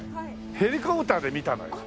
ヘリコプターで見たのよ。